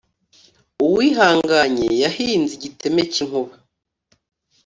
Uwihanganye yahinze igiteme cy’inkuba